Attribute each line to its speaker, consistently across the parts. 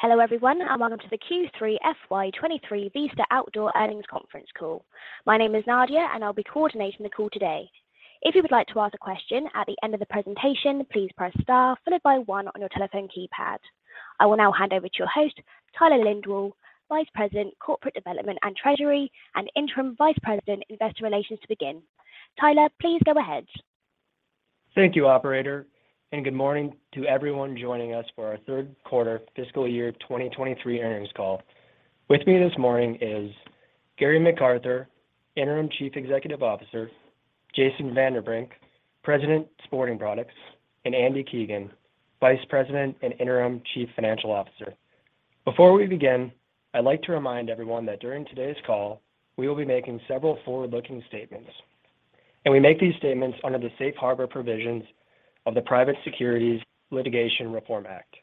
Speaker 1: Hello, everyone, and welcome to the Q3 FY 2023 Vista Outdoor Earnings Conference Call. My name is Nadia, and I'll be coordinating the call today. If you would like to ask a question at the end of the presentation, please press star followed by one on your telephone keypad. I will now hand over to your host, Tyler Lindwall, Vice President, Corporate Development and Treasury, and Interim Vice President Investor Relations to begin. Tyler, please go ahead.
Speaker 2: Thank you, operator, and good morning to everyone joining us for our third quarter fiscal year 2023 earnings call. With me this morning is Gary McArthur, Interim Chief Executive Officer, Jason Vanderbrink, President, Sporting Products, and Andy Keegan, Vice President and Interim Chief Financial Officer. Before we begin, I'd like to remind everyone that during today's call, we will be making several forward-looking statements, and we make these statements under the Safe Harbor provisions of the Private Securities Litigation Reform Act.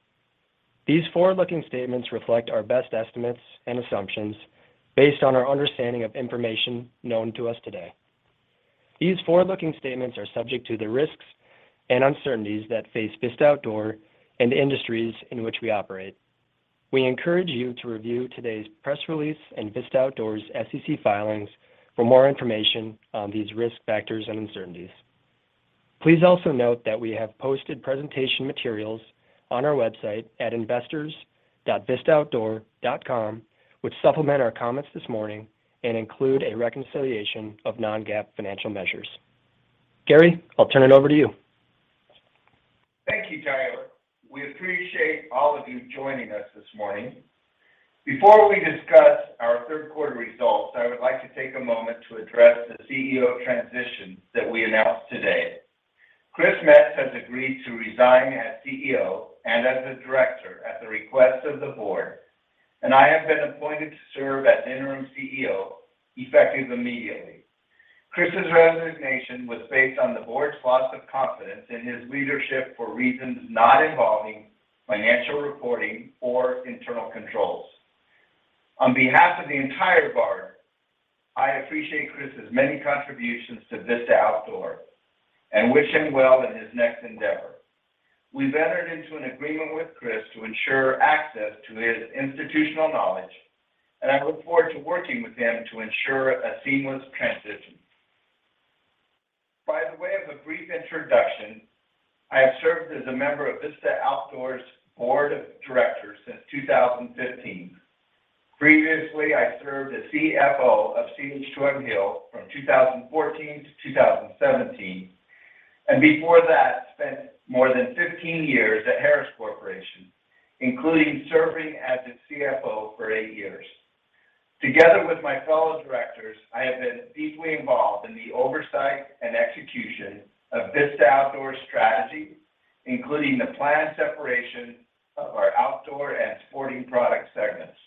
Speaker 2: These forward-looking statements reflect our best estimates and assumptions based on our understanding of information known to us today. These forward-looking statements are subject to the risks and uncertainties that face Vista Outdoor and the industries in which we operate. We encourage you to review today's press release and Vista Outdoor's SEC filings for more information on these risk factors and uncertainties. Please also note that we have posted presentation materials on our website at investors.vistaoutdoor.com which supplement our comments this morning and include a reconciliation of non-GAAP financial measures. Gary, I'll turn it over to you.
Speaker 3: Thank you, Tyler. We appreciate all of you joining us this morning. Before we discuss our third quarter results, I would like to take a moment to address the CEO transition that we announced today. Chris Metz has agreed to resign as CEO and as a director at the request of the board, and I have been appointed to serve as Interim CEO, effective immediately. Chris's resignation was based on the board's loss of confidence in his leadership for reasons not involving financial reporting or internal controls. On behalf of the entire board, I appreciate Chris's many contributions to Vista Outdoor and wish him well in his next endeavor. We've entered into an agreement with Chris to ensure access to his institutional knowledge, and I look forward to working with him to ensure a seamless transition. By the way of a brief introduction, I have served as a member of Vista Outdoor's board of directors since 2015. Previously, I served as CFO of CH2M HILL from 2014 to 2017, and before that, spent more than 15 years at Harris Corporation, including serving as its CFO for eight years. Together with my fellow directors, I have been deeply involved in the oversight and execution of Vista Outdoor's strategy, including the planned separation of our Outdoor and Sporting Product segments.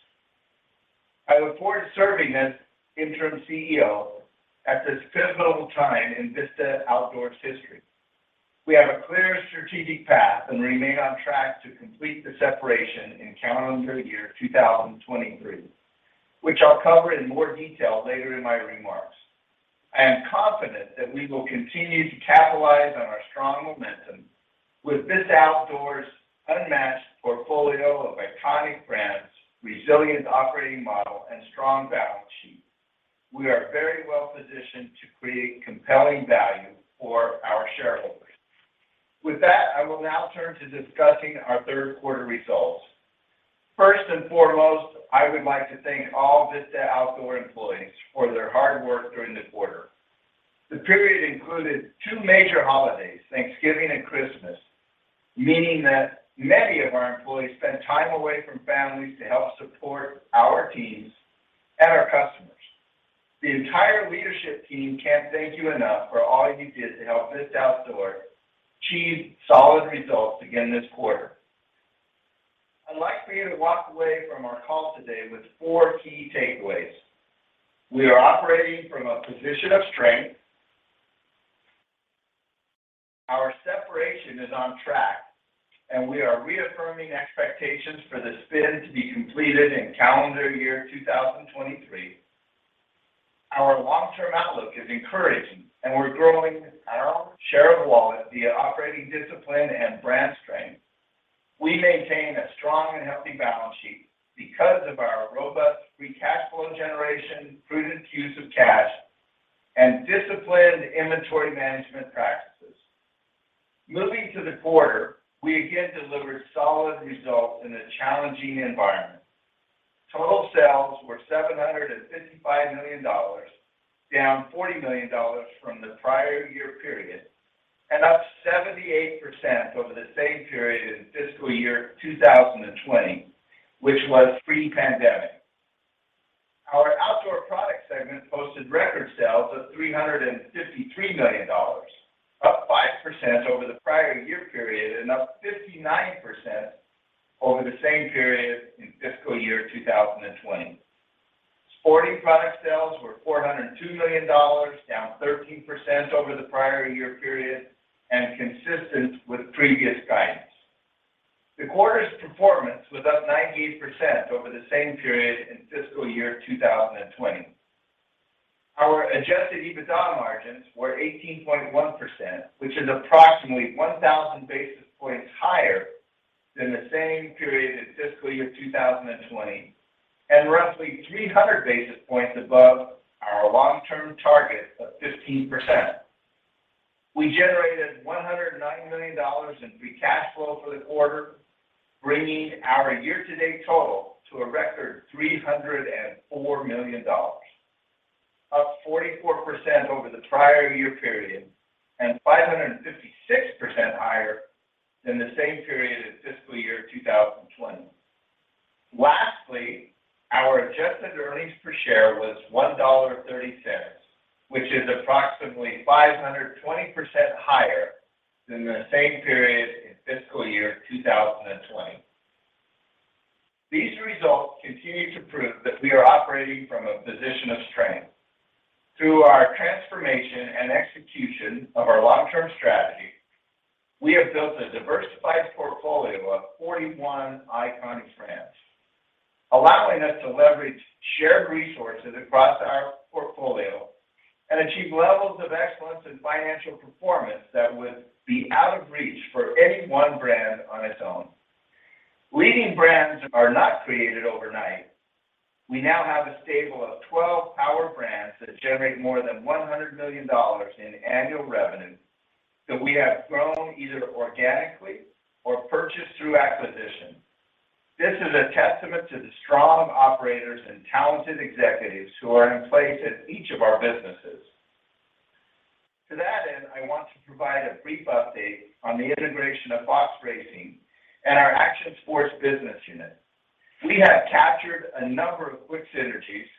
Speaker 3: I look forward to serving as interim CEO at this pivotal time in Vista Outdoor's history. We have a clear strategic path and remain on track to complete the separation in calendar year 2023, which I'll cover in more detail later in my remarks. I am confident that we will continue to capitalize on our strong momentum with Vista Outdoor's unmatched portfolio of iconic brands, resilient operating model and strong balance sheet. We are very well positioned to create compelling value for our shareholders. I will now turn to discussing our third quarter results. First and foremost, I would like to thank all Vista Outdoor employees for their hard work during the quarter. The period included two major holidays, Thanksgiving and Christmas, meaning that many of our employees spent time away from families to help support our teams and our customers. The entire leadership team can't thank you enough for all you did to help Vista Outdoor achieve solid results again this quarter. I'd like for you to walk away from our call today with four key takeaways. We are operating from a position of strength. Our separation is on track, and we are reaffirming expectations for the spin to be completed in calendar year 2023. Our long-term outlook is encouraging, and we're growing our share of wallet via operating discipline and brand strength. We maintain a strong and healthy balance sheet because of our robust free cash flow generation, prudent use of cash, and disciplined inventory management practices. Moving to the quarter, we again delivered solid results in a challenging environment. Total sales were $755 million, down $40 million from the prior year period and up 78% over the same period in fiscal year 2020, which was pre-pandemic. Our Outdoor Product segment posted record sales of $353 million, up 5% over the prior year period and up 59% over the same period in fiscal year 2020. Sporting Product sales were $402 million, down 13% over the prior year period and consistent with previous guidance. The quarter's performance was up 98% over the same period in fiscal year 2020. Our adjusted EBITDA margins were 18.1%, which is approximately 1,000 basis points higher than the same period in fiscal year 2020, and roughly 300 basis points above our long-term target of 15%. We generated $109 million in free cash flow for the quarter, bringing our year-to-date total to a record $304 million, up 44% over the prior year period on the integration of Fox Racing and our Action Sports Business Unit. We have captured a number of quick synergies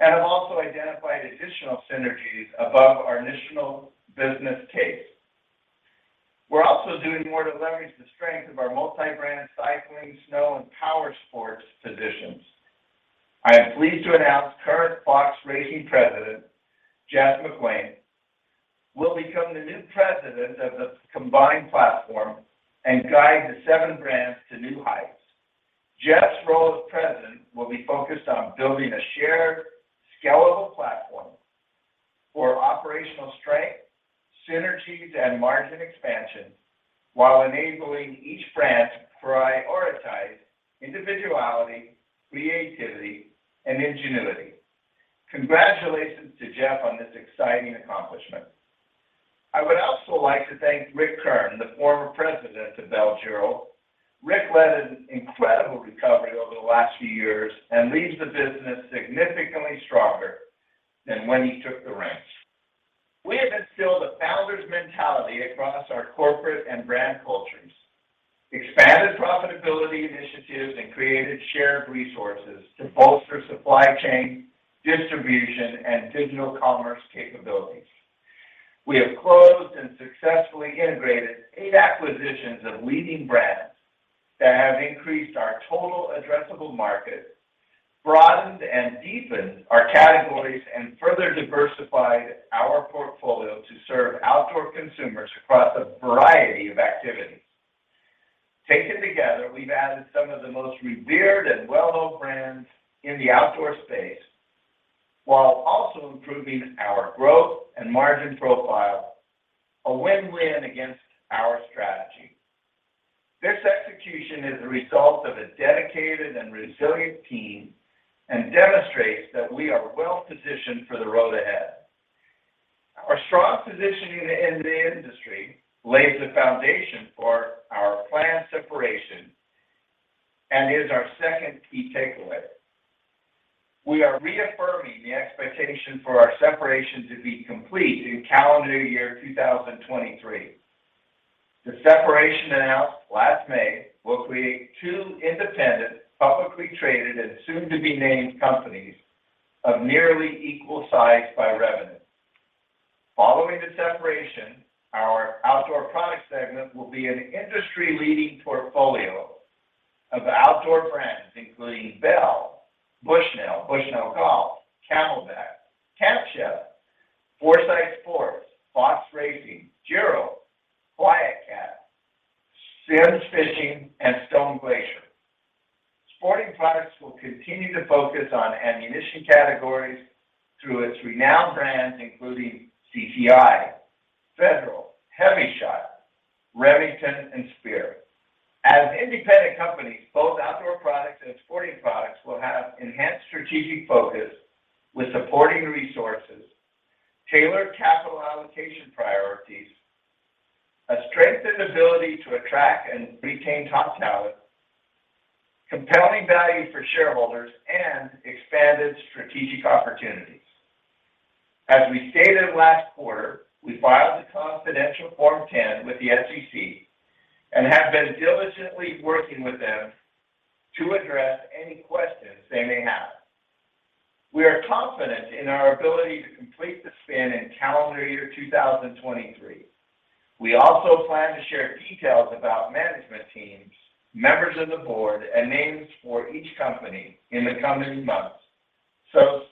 Speaker 3: and have also identified additional synergies above our initial business case. We're also doing more to leverage the strength of our multi-brand cycling, snow, and power sports positions. I am pleased to announce current Fox Racing President, Jeff McGuane, will become the new President of the combined platform and guide the seven brands to new heights. Jeff's role as President will be focused on building a shared scalable platform for operational strength, synergies, and margin expansion while enabling each brand to prioritize individuality, creativity, and ingenuity. Congratulations to Jeff on this exciting accomplishment. I would also like to thank Ric Kern, the former President of Bell and Giro. Ric led an incredible recovery over the last few years and leaves the business significantly stronger than when he took the reins. We have instilled a founder's mentality across our corporate and brand cultures, expanded profitability initiatives, and created shared resources to bolster supply chain, distribution, and digital commerce capabilities. We have closed and successfully integrated eight acquisitions of leading brands that have increased our total addressable market, broadened and deepened our categories, and further diversified our portfolio to serve outdoor consumers across a variety of activities. Taken together, we've added some of the most revered and well-known brands in the outdoor space while also improving our growth and margin profile, a win-win against our strategy. This execution is the result of a dedicated and resilient team and demonstrates that we are well-positioned for the road ahead. Our strong positioning in the industry lays the foundation for our planned separation and is our second key takeaway. We are reaffirming the expectation for our separation to be complete in calendar year 2023. The separation announced last May will create two independent, publicly traded, and soon to be named companies of nearly equal size by revenue. Following the separation, our Outdoor Product segment will be an industry-leading portfolio of outdoor brands, including Bell, Bushnell Golf, CamelBak, Camp Chef, Foresight Sports, Fox Racing, Giro, QuietKat, Simms Fishing, and Stone Glacier. Sporting Products will continue to focus on ammunition categories through its renowned brands, including CCI, Federal, HEVI-Shot, Remington, and Speer. As independent companies, both Outdoor Products and Sporting Products will have enhanced strategic focus with supporting resources, tailored capital allocation priorities, a strengthened ability to attract and retain top talent, compelling value for shareholders, and expanded strategic opportunities. As we stated last quarter, we filed a confidential Form 10 with the SEC and have been diligently working with them to address any questions they may have. We are confident in our ability to complete the spin in calendar year 2023. We also plan to share details about management teams, members of the board, and names for each company in the coming months.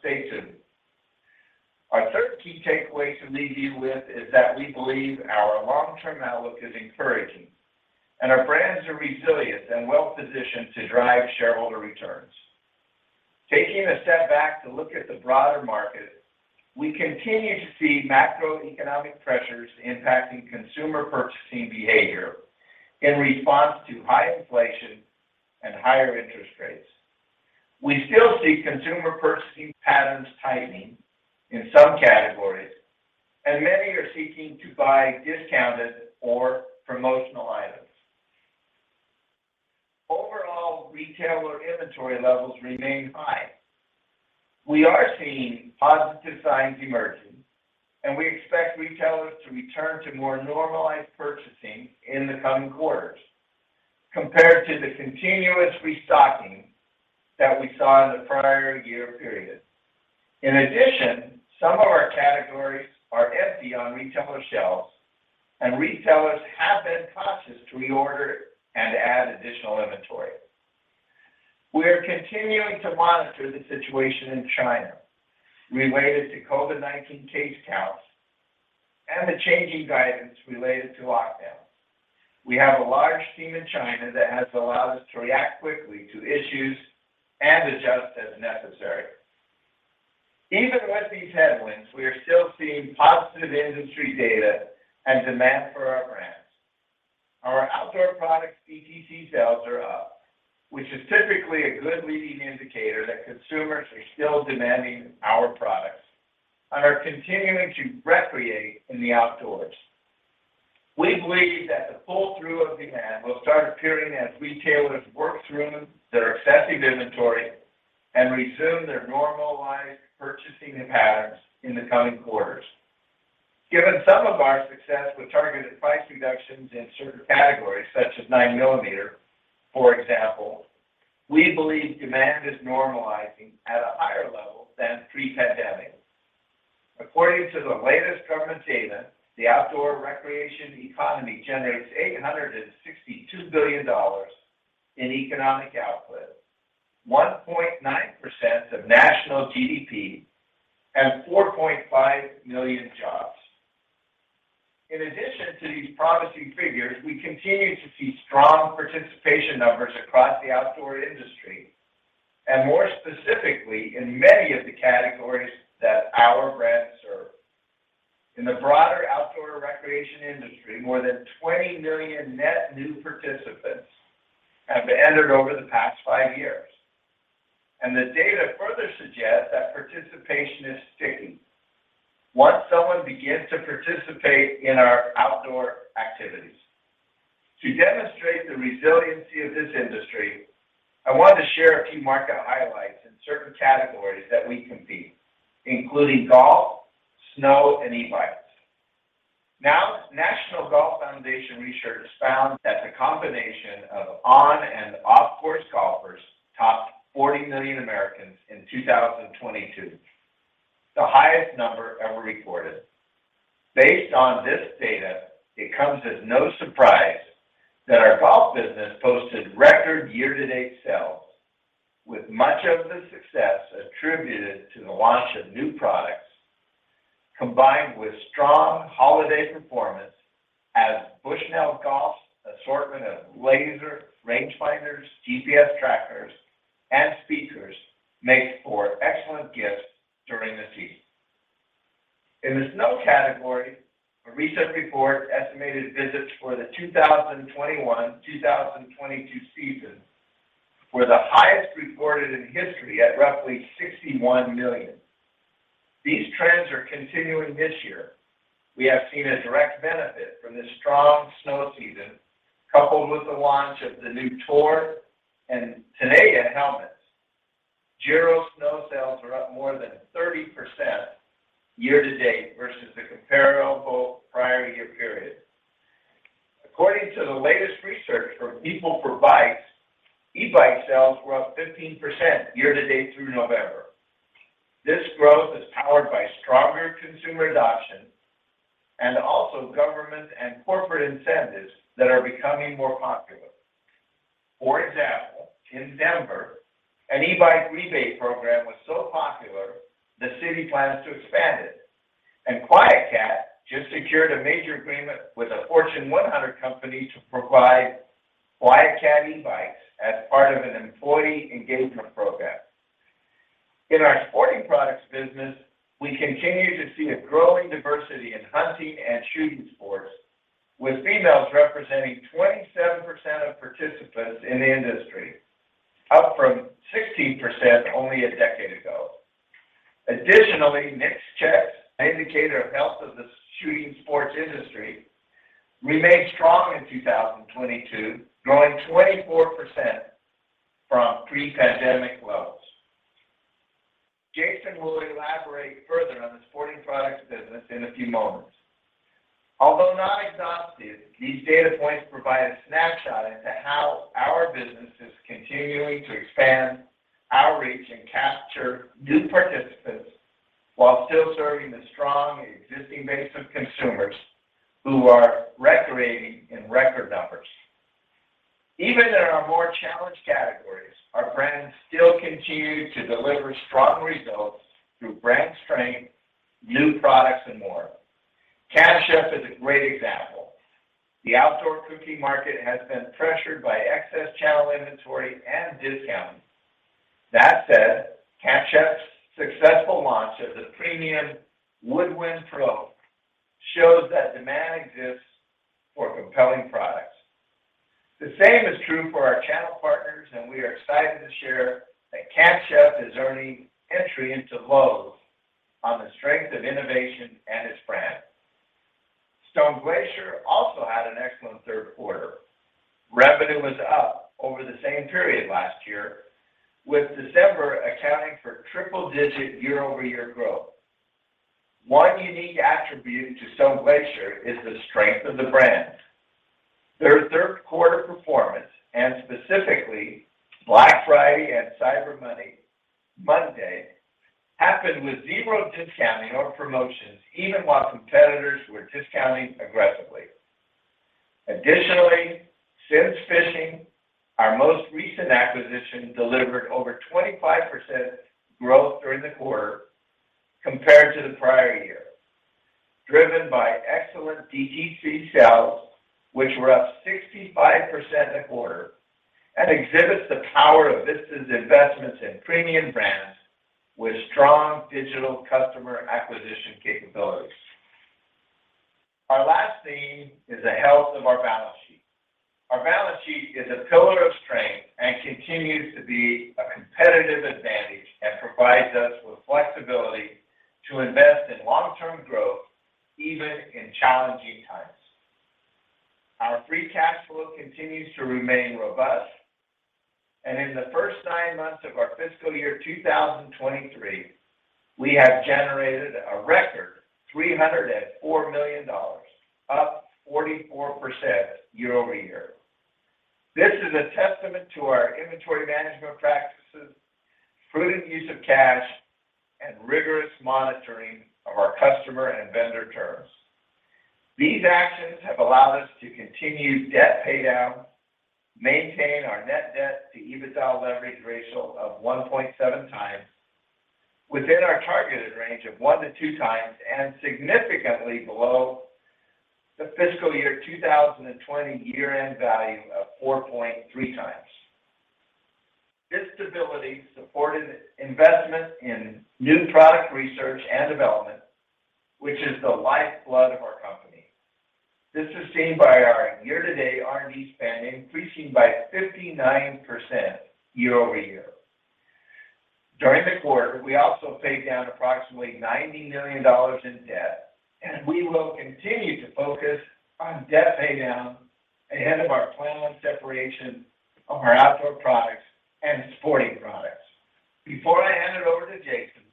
Speaker 3: Stay tuned. Our third key takeaway to leave you with is that we believe our long-term outlook is encouraging. Our brands are resilient and well positioned to drive shareholder returns. Taking a step back to look at the broader market, we continue to see macroeconomic pressures impacting consumer purchasing behavior in response to high inflation and higher interest rates. We still see consumer purchasing patterns tightening in some categories, and many are seeking to buy discounted or promotional items. Overall, retailer inventory levels remain high. We are seeing positive signs emerging, and we expect retailers to return to more normalized purchasing in the coming quarters compared to the continuous restocking that we saw in the prior year period. In addition, some of our categories are empty on retailer shelves, and retailers have been cautious to reorder and add additional inventory. We are continuing to monitor the situation in China related to COVID-19 case counts and the changing guidance related to lockdowns. We have a large team in China that has allowed us to react quickly to issues and adjust as necessary. Even with these headwinds, we are still seeing positive industry data and demand for our brands. Our Outdoor Products DTC sales are up, which is typically a good leading indicator that consumers are still demanding our products and are continuing to recreate in the outdoors. We believe that the pull-through of demand will start appearing as retailers work through their excessive inventory and resume their normalized purchasing patterns in the coming quarters. Given some of our success with targeted price reductions in certain categories, such as 9mm, for example, we believe demand is normalizing at a higher level than pre-pandemic. According to the latest government data, the outdoor recreation economy generates $862 billion in economic output, 1.9% of national GDP, and 4.5 million jobs. In addition to these promising figures, we continue to see strong participation numbers across the outdoor industry, and more specifically, in many of the categories that our brands serve. In the broader outdoor recreation industry, more than 20 million net new participants have entered over the past five years. The data further suggests that participation is sticking once someone begins to participate in our outdoor activities. To demonstrate the resiliency of this industry, I wanted to share a few market highlights in certain categories that we compete, including golf, snow, and e-bikes. National Golf Foundation research found that the combination of on and off-course golfers topped 40 million Americans in 2022, the highest number ever recorded. Based on this data, it comes as no surprise that our golf business posted record year-to-date sales, with much of the success attributed to the launch of new products combined with strong holiday performance as Bushnell Golf's assortment of laser rangefinders, GPS trackers, and speakers make for excellent gifts during the season. In the snow category, a recent report estimated visits for the 2021-2022 season were the highest reported in history at roughly 61 million. These trends are continuing this year. We have seen a direct benefit from the strong snow season, coupled with the launch of the new Tor and Tenaya helmets. Giro snow sales are up more than 30% year-to-date versus the comparable prior year period. According to the latest research from PeopleForBikes, e-bike sales were up 15% year-to-date through November. This growth is powered by stronger consumer adoption and also government and corporate incentives that are becoming more popular. For example, in Denver, an e-bike rebate program was so popular the city plans to expand it. QuietKat just secured a major agreement with a Fortune 100 company to provide QuietKat e-bikes as part of an employee engagement program. In our Sporting Products business, we continue to see a growing diversity in hunting and shooting sports, with females representing 27% of participants in the industry, up from 16% only a decade ago. Additionally, NICS checks, an indicator of health of the shooting sports industry, remained strong in 2022, growing 24% from pre-pandemic levels. Jason will elaborate further on the Sporting Products business in a few moments. Although not exhaustive, these data points provide a snapshot into how our business is continuing to expand our reach and capture new participants while still serving the strong existing base of consumers who are recreating in record numbers. Even in our more challenged categories, our brands still continue to deliver strong results through brand strength, new products, and more. Camp Chef is a great example. The outdoor cooking market has been pressured by excess channel inventory and discounting. That said, Camp Chef's successful launch of the premium Woodwind Pro shows that demand exists for compelling products. The same is true for our channel partners, and we are excited to share that Camp Chef is earning entry into Lowe's on the strength of innovation and its brand. Stone Glacier also had an excellent third quarter. Revenue was up over the same period last year, with December accounting for triple-digit year-over-year growth. One unique attribute to Stone Glacier is the strength of the brand. Their third quarter performance, and specifically Black Friday and Cyber Monday, happened with zero discounting or promotions, even while competitors were discounting aggressively. Additionally, Simms Fishing, our most recent acquisition, delivered over 25% growth during the quarter compared to the prior year, driven by excellent DTC sales, which were up 65% in the quarter and exhibits the power of Vista's investments in premium brands with strong digital customer acquisition capabilities. Our last theme is the health of our balance sheet. Our balance sheet is a pillar of strength and continues to be a competitive advantage and provides us with flexibility to invest in long-term growth even in challenging times. Our free cash flow continues to remain robust, and in the first nine months of our fiscal year 2023, we have generated a record $304 million, up 44% year-over-year. This is a testament to our inventory management practices, prudent use of cash, and rigorous monitoring of our customer and vendor terms. These actions have allowed us to continue debt pay down, maintain our net debt to EBITDA leverage ratio of 1.7x within our targeted range of 1-2x, and significantly below the fiscal year 2020 year-end value of 4.3x. This stability supported investment in new product research and development, which is the lifeblood of our company. This is seen by our year-to-date R&D spending increasing by 59% year-over-year. During the quarter, we also paid down approximately $90 million in debt. We will continue to focus on debt pay down ahead of our planned separation of our Outdoor Products and Sporting Products. Before I hand it over to Jason,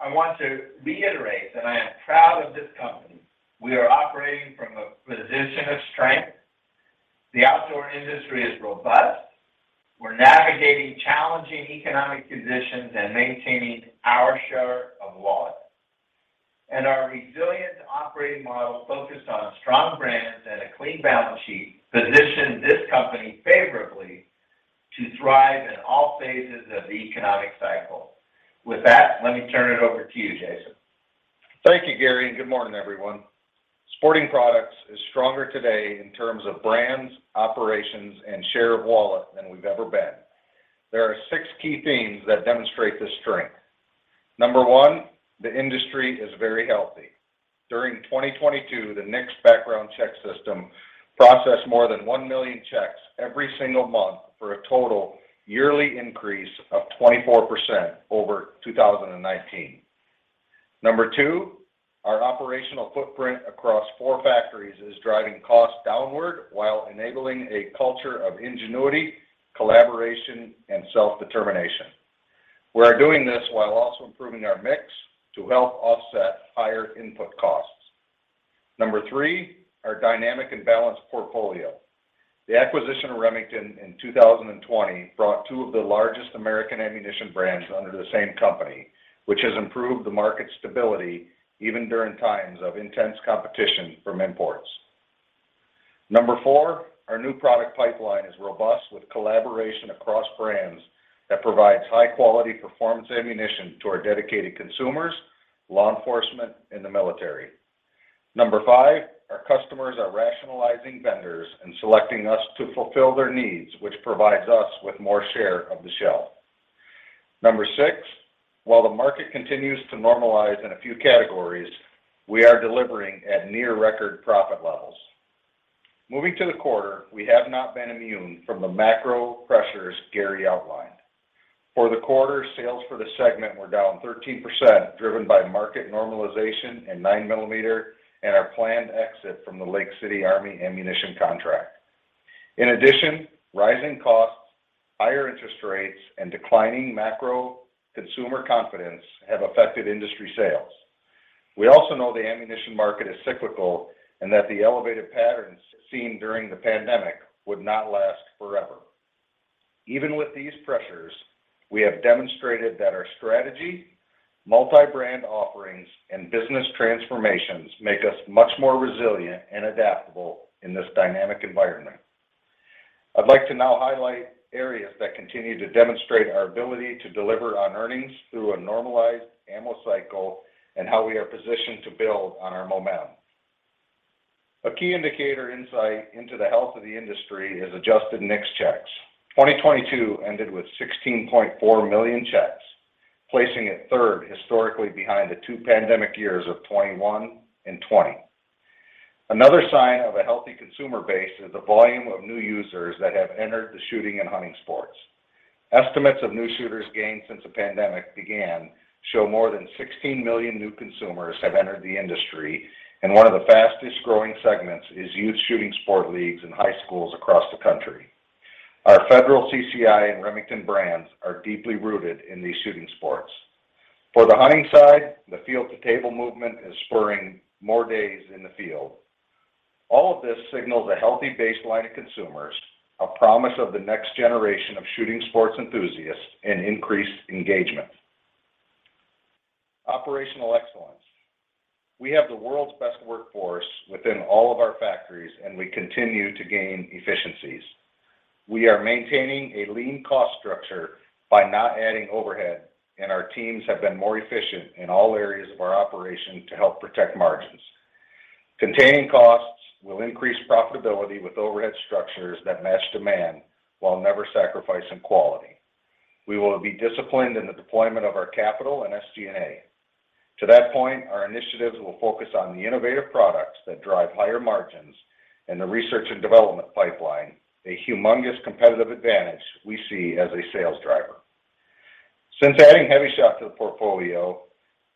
Speaker 3: I want to reiterate that I am proud of this company. We are operating from a position of strength. The outdoor industry is robust. We're navigating challenging economic conditions and maintaining our share of wallet. Our resilient operating model focused on strong brands and a clean balance sheet position this company favorably to thrive in all phases of the economic cycle. With that, let me turn it over to you, Jason.
Speaker 4: Thank you, Gary. Good morning, everyone. Sporting Products is stronger today in terms of brands, operations, and share of wallet than we've ever been. There are six key themes that demonstrate this strength. Number one, the industry is very healthy. During 2022, the NICS background check system processed more than 1 million checks every single month for a total yearly increase of 24% over 2019. Number two, our operational footprint across four factories is driving costs downward while enabling a culture of ingenuity, collaboration, and self-determination. We are doing this while also improving our mix to help offset higher input costs. Number three, our dynamic and balanced portfolio. The acquisition of Remington in 2020 brought two of the largest American ammunition brands under the same company, which has improved the market stability even during times of intense competition from imports. Number four, our new product pipeline is robust with collaboration across brands that provides high-quality performance ammunition to our dedicated consumers, law enforcement, and the military. Number five, our customers are rationalizing vendors and selecting us to fulfill their needs, which provides us with more share of the shelf. Number six, while the market continues to normalize in a few categories, we are delivering at near record profit levels. Moving to the quarter, we have not been immune from the macro pressures Gary outlined. For the quarter, sales for the segment were down 13%, driven by market normalization in 9mm and our planned exit from the Lake City Army ammunition contract. In addition, rising costs, higher interest rates, and declining macro consumer confidence have affected industry sales. We also know the ammunition market is cyclical and that the elevated patterns seen during the pandemic would not last forever. Even with these pressures, we have demonstrated that our strategy, multi-brand offerings, and business transformations make us much more resilient and adaptable in this dynamic environment. I'd like to now highlight areas that continue to demonstrate our ability to deliver on earnings through a normalized ammo cycle and how we are positioned to build on our momentum. A key indicator insight into the health of the industry is adjusted NICS checks. 2022 ended with 16.4 million checks, placing it third historically behind the two pandemic years of 2021 and 2020. Another sign of a healthy consumer base is the volume of new users that have entered the shooting and hunting sports. Estimates of new shooters gained since the pandemic began show more than 16 million new consumers have entered the industry. One of the fastest-growing segments is youth shooting sport leagues in high schools across the country. Our Federal, CCI, and Remington brands are deeply rooted in these shooting sports. For the hunting side, the field-to-table movement is spurring more days in the field. All of this signals a healthy baseline of consumers, a promise of the next generation of shooting sports enthusiasts, and increased engagement. Operational excellence. We have the world's best workforce within all of our factories. We continue to gain efficiencies. We are maintaining a lean cost structure by not adding overhead. Our teams have been more efficient in all areas of our operation to help protect margins. Containing costs will increase profitability with overhead structures that match demand while never sacrificing quality. We will be disciplined in the deployment of our capital and SG&A. To that point, our initiatives will focus on the innovative products that drive higher margins and the research and development pipeline, a humongous competitive advantage we see as a sales driver. Since adding HEVI-Shot to the portfolio,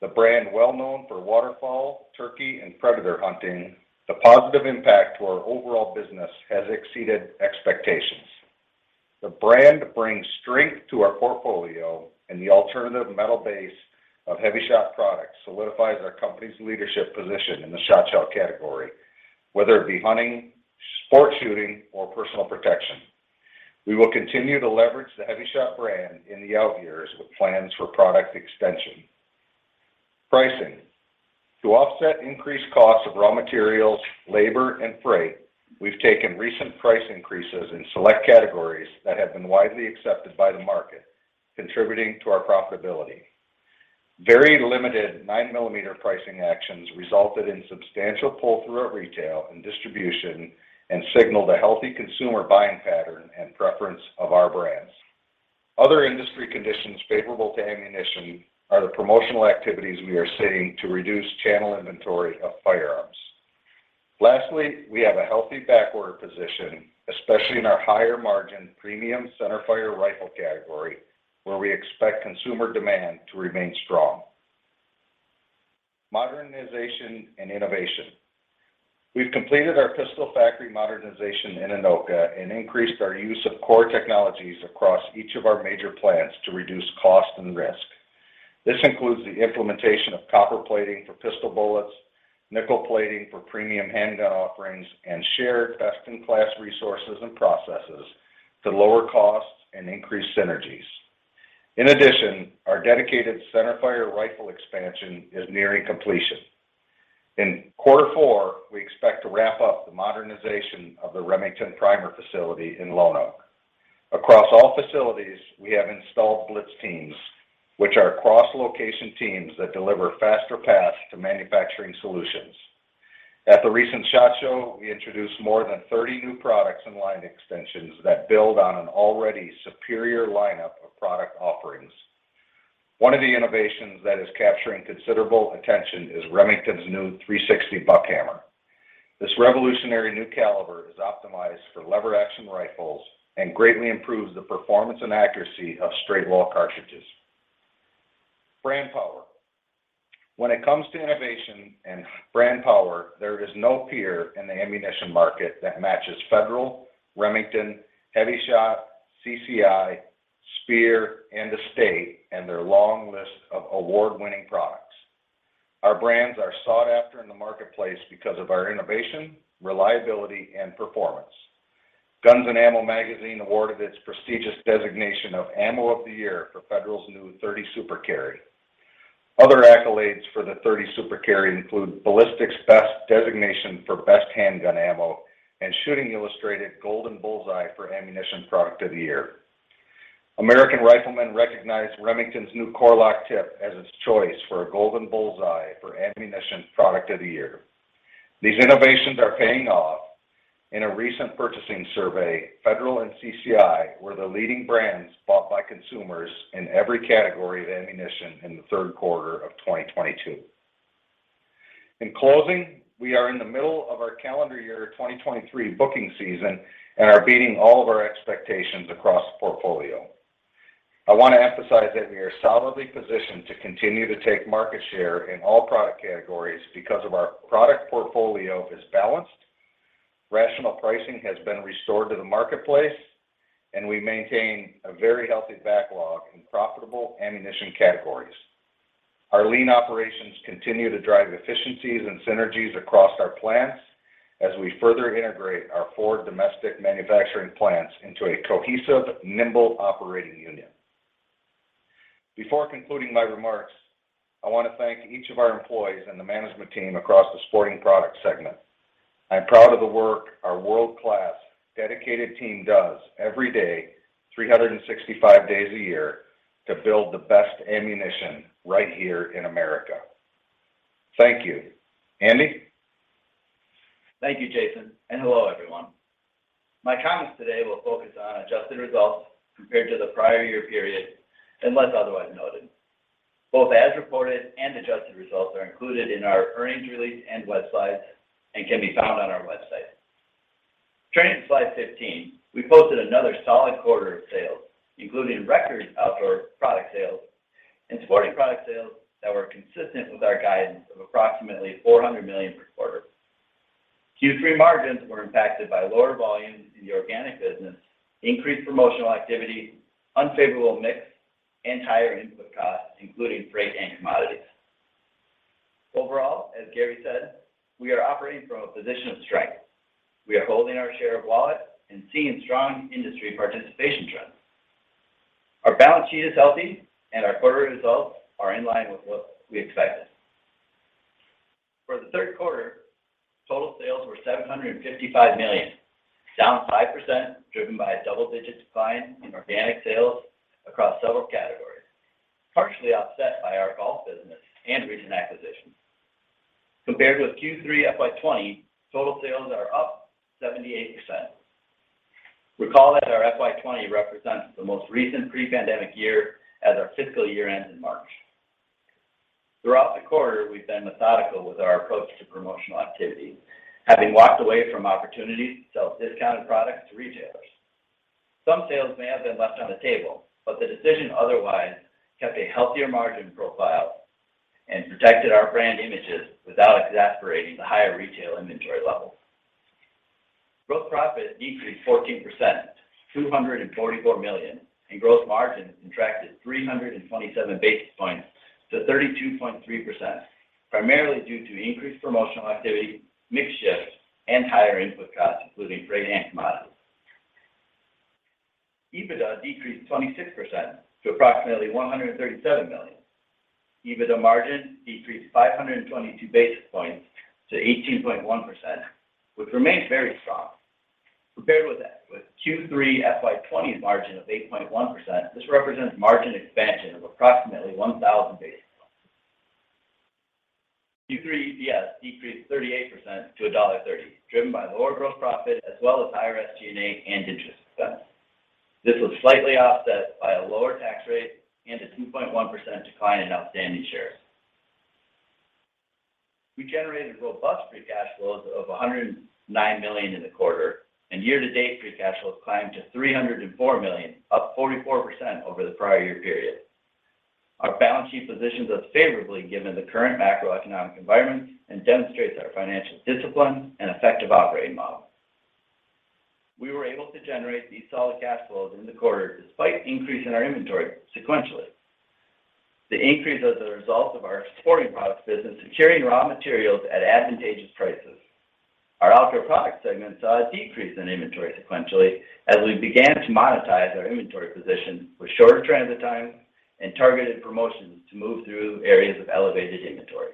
Speaker 4: the brand well known for waterfowl, turkey, and predator hunting, the positive impact to our overall business has exceeded expectations. The brand brings strength to our portfolio, and the alternative metal base of HEVI-Shot products solidifies our company's leadership position in the shotshell category, whether it be hunting, sport shooting, or personal protection. We will continue to leverage the HEVI-Shot brand in the out years with plans for product extension. Pricing. To offset increased costs of raw materials, labor, and freight, we've taken recent price increases in select categories that have been widely accepted by the market, contributing to our profitability. Very limited 9mm pricing actions resulted in substantial pull-through at retail and distribution and signaled a healthy consumer buying pattern and preference of our brands. Other industry conditions favorable to ammunition are the promotional activities we are seeing to reduce channel inventory of firearms. Lastly, we have a healthy backward position, especially in our higher-margin premium centerfire rifle category, where we expect consumer demand to remain strong. Modernization and innovation. We've completed our pistol factory modernization in Anoka and increased our use of core technologies across each of our major plants to reduce cost and risk. This includes the implementation of copper plating for pistol bullets, nickel plating for premium handgun offerings, and shared best-in-class resources and processes to lower costs and increase synergies. In addition, our dedicated centerfire rifle expansion is nearing completion. In quarter four, we expect to wrap up the modernization of the Remington Primer facility in Lonoke. Across all facilities, we have installed Blitz teams, which are cross-location teams that deliver faster paths to manufacturing solutions. At the recent SHOT Show, we introduced more than 30 new products and line extensions that build on an already superior lineup of product offerings. One of the innovations that is capturing considerable attention is Remington's new .360 Buckhammer. This revolutionary new caliber is optimized for lever-action rifles and greatly improves the performance and accuracy of straight-wall cartridges. Brand power. When it comes to innovation and brand power, there is no peer in the ammunition market that matches Federal, Remington, HEVI-Shot, CCI, Speer, and Estate and their long list of award-winning products. Our brands are sought after in the marketplace because of our innovation, reliability, and performance. Guns & Ammo magazine awarded its prestigious designation of Ammo of the Year for Federal's new 30 Super Carry. Other accolades for the 30 Super Carry include Ballistic's Best designation for Best Handgun Ammo and Shooting Illustrated Golden Bullseye for Ammunition Product of the Year. American Rifleman recognized Remington's new Core-Lokt Tipped as its choice for a Golden Bullseye for Ammunition Product of the Year. These innovations are paying off. In a recent purchasing survey, Federal and CCI were the leading brands bought by consumers in every category of ammunition in the third quarter of 2022. In closing, we are in the middle of our calendar year 2023 booking season and are beating all of our expectations across the portfolio. I want to emphasize that we are solidly positioned to continue to take market share in all product categories because of our product portfolio is balanced, rational pricing has been restored to the marketplace, and we maintain a very healthy backlog in profitable ammunition categories. Our lean operations continue to drive efficiencies and synergies across our plants as we further integrate our four domestic manufacturing plants into a cohesive, nimble operating union. Before concluding my remarks, I want to thank each of our employees and the management team across the Sporting Products segment. I'm proud of the work our world-class dedicated team does every day, 365 days a year, to build the best ammunition right here in America. Thank you. Andy?
Speaker 5: Thank you, Jason, and hello, everyone. My comments today will focus on adjusted results compared to the prior year period, unless otherwise noted. Both as reported and adjusted results are included in our earnings release and web slides and can be found on our website. Turning to slide 15, we posted another solid quarter of sales, including record Outdoor Product sales and Sporting Product sales that were consistent with our guidance of approximately $400 million per quarter. Q3 margins were impacted by lower volumes in the organic business, increased promotional activity, unfavorable mix, and higher input costs, including freight and commodities. Overall, as Gary said, we are operating from a position of strength. We are holding our share of wallet and seeing strong industry participation trends. Our balance sheet is healthy and our quarter results are in line with what we expected. For the third quarter, total sales were $755 million, down 5%, driven by a double-digit decline in organic sales across several categories, partially offset by our golf business and recent acquisitions. Compared with Q3 FY 2020, total sales are up 78%. Recall that our FY 2020 represents the most recent pre-pandemic year as our fiscal year ends in March. Throughout the quarter, we've been methodical with our approach to promotional activity, having walked away from opportunities to sell discounted products to retailers. Some sales may have been left on the table, but the decision otherwise kept a healthier margin profile and protected our brand images without exasperating the higher retail inventory levels. Gross profit decreased 14%, $244 million. Gross margin contracted 327 basis points to 32.3%, primarily due to increased promotional activity, mix shifts, and higher input costs, including freight and commodities. EBITDA decreased 26% to approximately $137 million. EBITDA margin decreased 522 basis points to 18.1%, which remains very strong. Compared with Q3 FY 2020's margin of 8.1%, this represents margin expansion of approximately 1,000 basis points. Q3 EPS decreased 38% to $1.30, driven by lower gross profit as well as higher SG&A and interest expense. This was slightly offset by a lower tax rate and a 2.1% decline in outstanding shares. We generated robust free cash flows of $109 million in the quarter. Year-to-date free cash flow has climbed to $304 million, up 44% over the prior year period. Our balance sheet positions us favorably given the current macroeconomic environment and demonstrates our financial discipline and effective operating model. We were able to generate these solid cash flows in the quarter despite increase in our inventory sequentially. The increase is a result of our Sporting Products business securing raw materials at advantageous prices. Our Outdoor Products segment saw a decrease in inventory sequentially as we began to monetize our inventory position with shorter transit times and targeted promotions to move through areas of elevated inventory.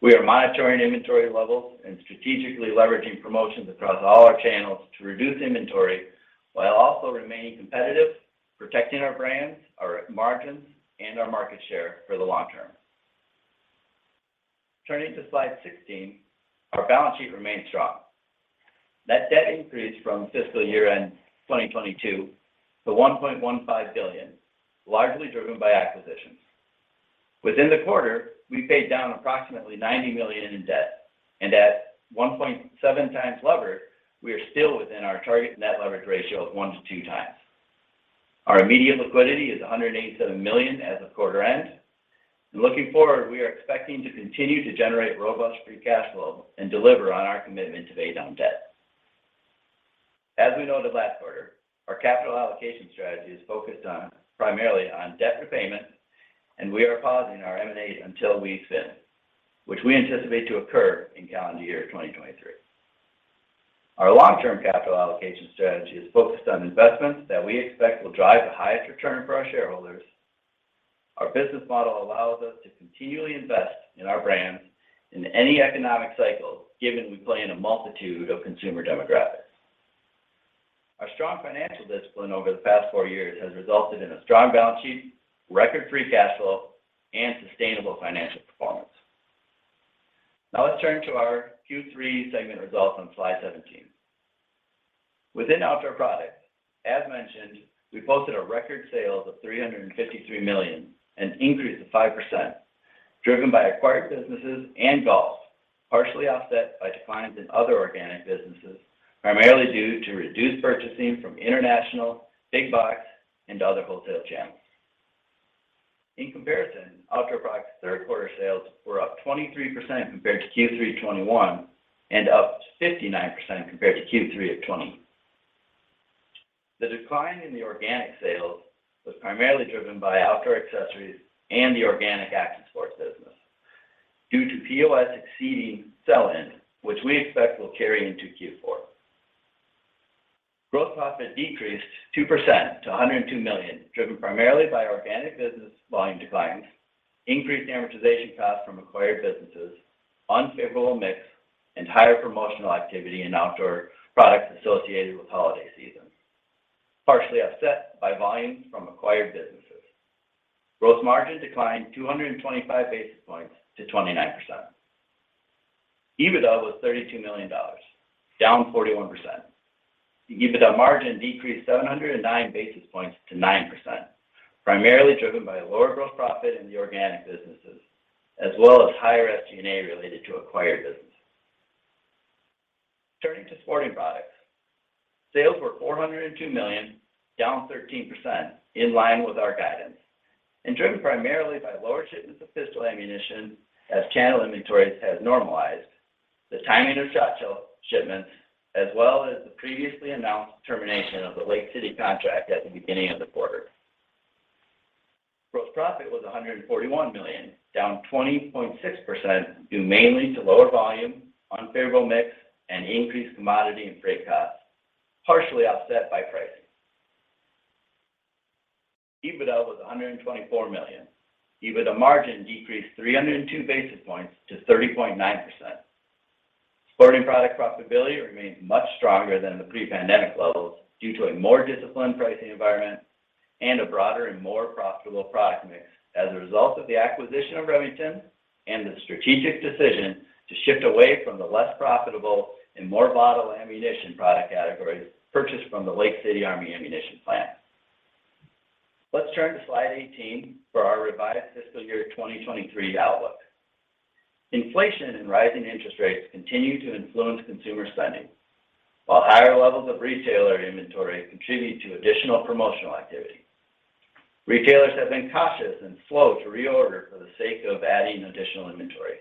Speaker 5: We are monitoring inventory levels and strategically leveraging promotions across all our channels to reduce inventory while also remaining competitive, protecting our brands, our margins, and our market share for the long term. Turning to slide 16, our balance sheet remains strong. Net debt increased from fiscal year end 2022 to $1.15 billion, largely driven by acquisitions. Within the quarter, we paid down approximately $90 million in debt, and at 1.7x lever, we are still within our target net leverage ratio of 1x-2x. Our immediate liquidity is $187 million as of quarter end. Looking forward, we are expecting to continue to generate robust free cash flow and deliver on our commitment to pay down debt. As we noted last quarter, our capital allocation strategy is focused primarily on debt repayment. We are pausing our M&A until the spin, which we anticipate to occur in calendar year 2023. Our long-term capital allocation strategy is focused on investments that we expect will drive the highest return for our shareholders. Our business model allows us to continually invest in our brands in any economic cycle, given we play in a multitude of consumer demographics. Our strong financial discipline over the past four years has resulted in a strong balance sheet, record free cash flow, and sustainable financial performance. Let's turn to our Q3 segment results on slide 17. Within Outdoor Products, as mentioned, we posted record sales of $353 million, an increase of 5%, driven by acquired businesses and golf, partially offset by declines in other organic businesses, primarily due to reduced purchasing from international, big-box, and other wholesale channels. Outdoor Products third quarter sales were up 23% compared to Q3 2021, and up 59% compared to Q3 2020. The decline in the organic sales was primarily driven by Outdoor Accessories and the organic Action Sports business due to POS exceeding sell-in, which we expect will carry into Q4. Gross profit decreased 2% to $102 million, driven primarily by organic business volume declines, increased amortization costs from acquired businesses, unfavorable mix, and higher promotional activity in Outdoor Products associated with holiday season, partially offset by volumes from acquired businesses. Gross margin declined 225 basis points to 29%. EBITDA was $32 million, down 41%. The EBITDA margin decreased 709 basis points to 9%, primarily driven by lower gross profit in the organic businesses, as well as higher SG&A related to acquired businesses. Turning to Sporting Products, sales were $402 million, down 13% in line with our guidance, and driven primarily by lower shipments of pistol ammunition as channel inventories have normalized. The timing of shot shell shipments, as well as the previously announced termination of the Lake City contract at the beginning of the quarter. Gross profit was $141 million, down 20.6% due mainly to lower volume, unfavorable mix, and increased commodity and freight costs, partially offset by pricing. EBITDA was $124 million. EBITDA margin decreased 302 basis points to 30.9%. Sporting Product profitability remains much stronger than the pre-pandemic levels due to a more disciplined pricing environment and a broader and more profitable product mix as a result of the acquisition of Remington and the strategic decision to shift away from the less profitable and more volatile ammunition product categories purchased from the Lake City Army Ammunition Plant. Let's turn to slide 18 for our revised fiscal year 2023 outlook. Inflation and rising interest rates continue to influence consumer spending, while higher levels of retailer inventory contribute to additional promotional activity. Retailers have been cautious and slow to reorder for the sake of adding additional inventory.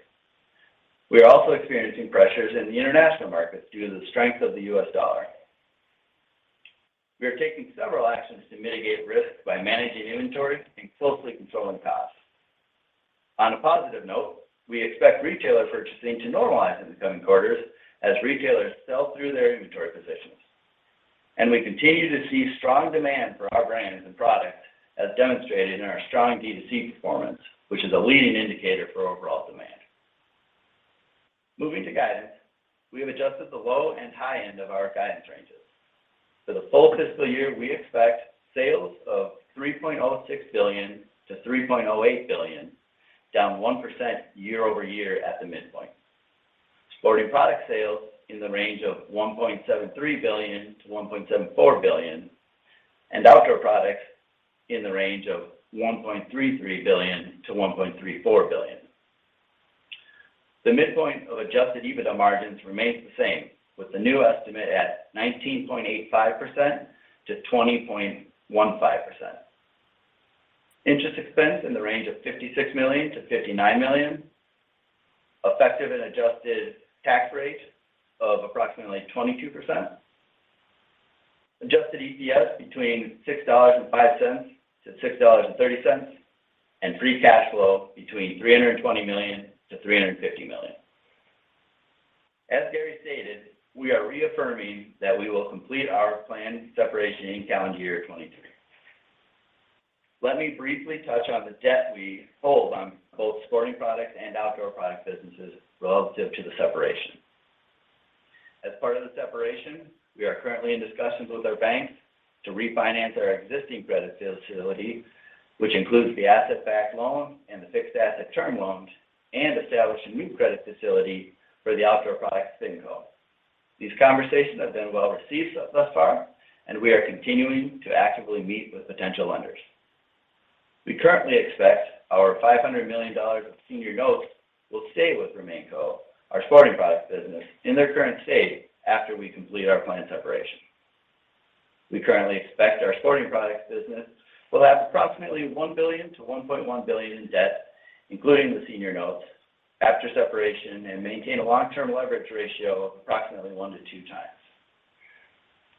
Speaker 5: We are also experiencing pressures in the international markets due to the strength of the U.S. dollar. We are taking several actions to mitigate risk by managing inventory and closely controlling costs. On a positive note, we expect retailer purchasing to normalize in the coming quarters as retailers sell through their inventory positions. We continue to see strong demand for our brands and products, as demonstrated in our strong DTC performance, which is a leading indicator for overall demand. Moving to guidance, we have adjusted the low and high end of our guidance ranges. For the full fiscal year, we expect sales of $3.06 billion-$3.08 billion, down 1% year-over-year at the midpoint. Sporting Product sales in the range of $1.73 billion-$1.74 billion, and Outdoor Products in the range of $1.33 billion-$1.34 billion. The midpoint of adjusted EBITDA margins remains the same with the new estimate at 19.85%-20.15%. Interest expense in the range of $56 million-$59 million. Effective and adjusted tax rate of approximately 22%. Adjusted EPS between $6.05-$6.30. Free cash flow between $320 million-$350 million. As Gary stated, we are reaffirming that we will complete our planned separation in calendar year 2023. Let me briefly touch on the debt we hold on both Sporting Products and Outdoor Product businesses relative to the separation. As part of the separation, we are currently in discussions with our banks to refinance our existing credit facility, which includes the asset-backed loan and the fixed asset term loans, and establish a new credit facility for the Outdoor Products SpinCo. These conversations have been well received thus far, and we are continuing to actively meet with potential lenders. We currently expect our $500 million of senior notes will stay with RemainCo, our Sporting Products business, in their current state after we complete our planned separation. We currently expect our Sporting Products business will have approximately $1 billion-$1.1 billion in debt, including the senior notes, after separation, and maintain a long-term leverage ratio of approximately 1x-2x.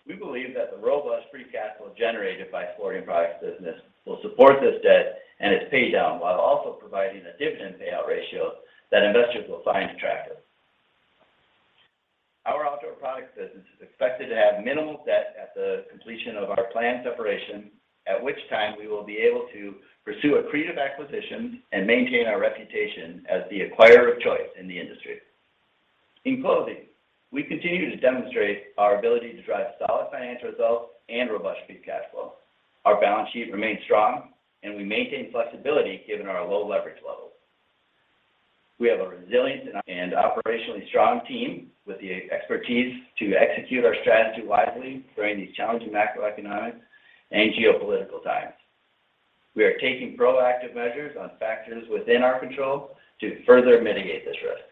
Speaker 5: We believe that the robust free cash flow generated by the Sporting Products business will support this debt and its paydown while also providing a dividend payout ratio that investors will find attractive. Our Outdoor Products business is expected to have minimal debt at the completion of our planned separation, at which time we will be able to pursue accretive acquisitions and maintain our reputation as the acquirer of choice in the industry. In closing, we continue to demonstrate our ability to drive solid financial results and robust free cash flow. Our balance sheet remains strong and we maintain flexibility, given our low leverage levels. We have a resilient and operationally strong team with the expertise to execute our strategy wisely during these challenging macroeconomics and geopolitical times. We are taking proactive measures on factors within our control to further mitigate this risk.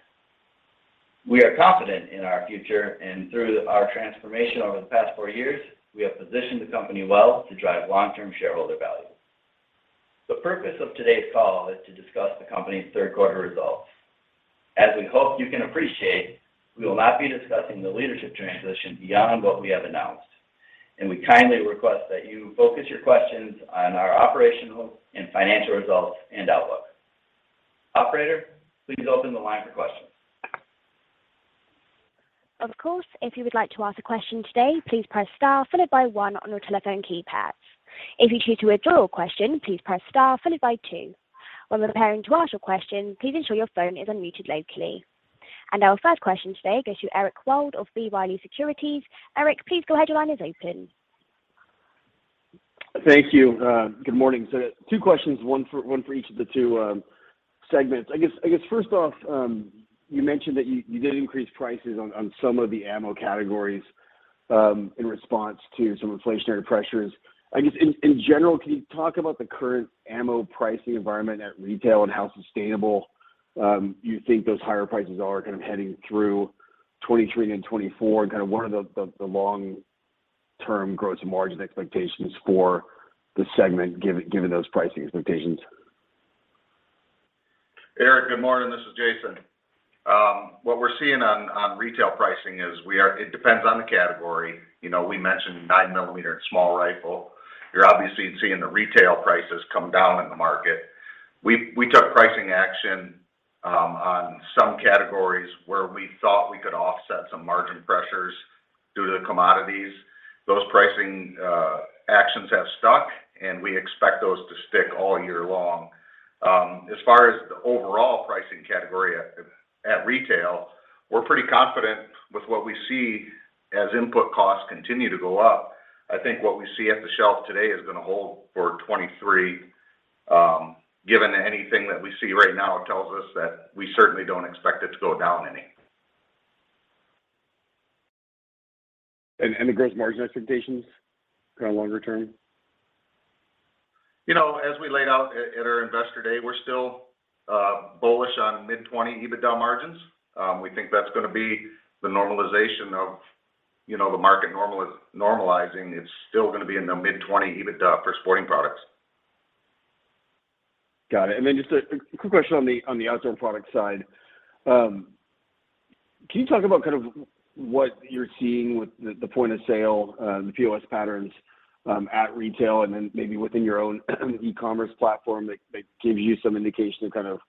Speaker 5: We are confident in our future, and through our transformation over the past four years, we have positioned the company well to drive long-term shareholder value. The purpose of today's call is to discuss the company's third quarter results. As we hope you can appreciate, we will not be discussing the leadership transition beyond what we have announced, and we kindly request that you focus your questions on our operational and financial results and outlook. Operator, please open the line for questions.
Speaker 1: Of course. If you would like to ask a question today, please press star followed by one on your telephone keypad. If you choose to withdraw your question, please press star followed by two. When preparing to ask your question, please ensure your phone is unmuted locally. Our first question today goes to Eric Wold of B. Riley Securities. Eric, please go ahead. Your line is open.
Speaker 6: Thank you. Good morning. Two questions, one for each of the two segments. I guess first off, you mentioned that you did increase prices on some of the ammo categories in response to some inflationary pressures. I guess in general, can you talk about the current ammo pricing environment at retail and how sustainable you think those higher prices are kind of heading through 2023 and 2024, and kind of what are the long-term gross margin expectations for the segment given those pricing expectations?
Speaker 4: Eric, good morning. This is Jason. What we're seeing on retail pricing is it depends on the category. You know, we mentioned 9mm and small rifle. You're obviously seeing the retail prices come down in the market. We took pricing action on some categories where we thought we could offset some margin pressures due to the commodities. Those pricing actions have stuck, and we expect those to stick all year long. As far as the overall pricing category at retail, we're pretty confident with what we see as input costs continue to go up. I think what we see at the shelf today is gonna hold for 2023. Given anything that we see right now tells us that we certainly don't expect it to go down any.
Speaker 6: The gross margin expectations kind of longer term?
Speaker 4: You know, as we laid out at our Investor Day, we're still bullish on mid-20% EBITDA margins. We think that's gonna be the normalization of, you know, the market normalizing. It's still gonna be in the mid-20% EBITDA for Sporting Products.
Speaker 6: Got it. Just a quick question on the, on the Outdoor Product side. Can you talk about kind of what you're seeing with the point of sale, the POS patterns at retail and then maybe within your own e-commerce platform that give you some indication of kind of,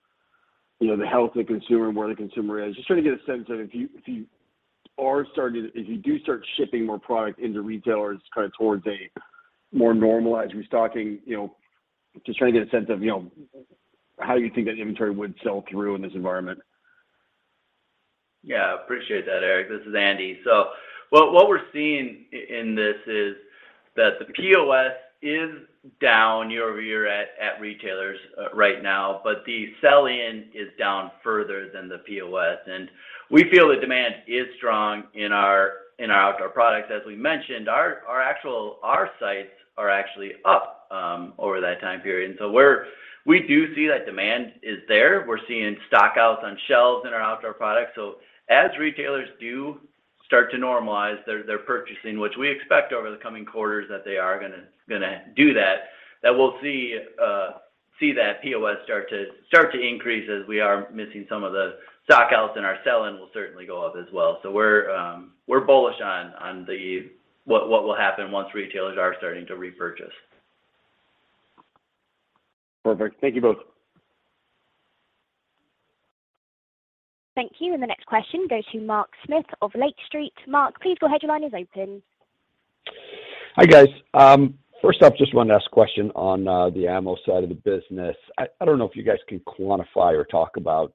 Speaker 6: you know, the health of the consumer and where the consumer is? Just trying to get a sense of if you do start shipping more product into retailers kind of towards a more normalized restocking, you know, just trying to get a sense of, you know, how you think that inventory would sell through in this environment.
Speaker 5: Appreciate that, Eric. This is Andy. What we're seeing in this is that the POS is down year-over-year at retailers right now, but the sell-in is down further than the POS. We feel the demand is strong in our Outdoor Products. As we mentioned, our sites are actually up over that time period. We do see that demand is there. We're seeing stock outs on shelves in our Outdoor Products. As retailers do start to normalize their purchasing, which we expect over the coming quarters that they are gonna do that we'll see that POS start to increase as we are missing some of the stock outs, and our sell-in will certainly go up as well. We're bullish on what will happen once retailers are starting to repurchase.
Speaker 6: Perfect. Thank you both.
Speaker 1: Thank you. The next question goes to Mark Smith of Lake Street. Mark, please go ahead. Your line is open.
Speaker 7: Hi, guys. First off, just wanted to ask a question on the ammo side of the business. I don't know if you guys can quantify or talk about